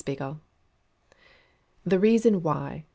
] THE REASON WHY.